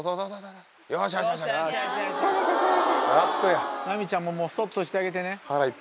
ラミちゃんももうそっとしてあげてね。